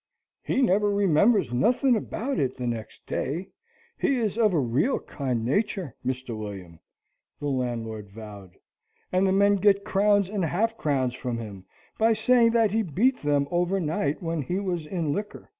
"He never remembers nothin' about it the next day. He is of a real kind nature, Mr. William," the landlord vowed, "and the men get crowns and half crowns from him by saying that he beat them overnight when he was in liquor.